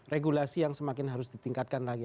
regulasi yang semakin harus ditingkatkan lagi